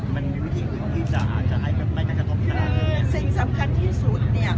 มันมีวิธีที่จะอาจจะให้มันไม่กระทำสำคัญอืมสิ่งสำคัญที่สุดเนี่ย